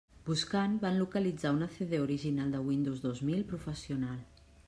Buscant, van localitzar una CD original de Windows dos mil Professional.